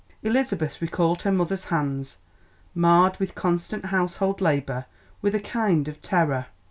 Elizabeth recalled her mother's hands, marred with constant household labour, with a kind of terror.